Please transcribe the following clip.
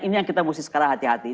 ini yang kita mesti sekarang hati hati